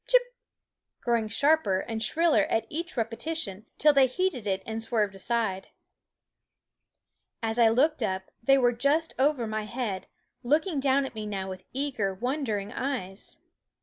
Chip! growing sharper and shriller at each repetition, till they heeded it and swerved aside. As I looked up they were just over my head, looking down at me now with eager, wondering eyes.